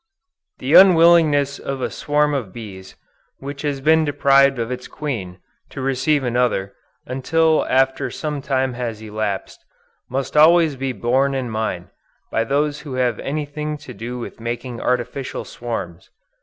The unwillingness of a swarm of bees, which has been deprived of its queen, to receive another, until after some time has elapsed, must always be borne in mind, by those who have anything to do with making artificial swarms.